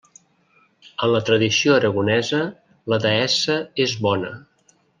En la tradició aragonesa la deessa és bona.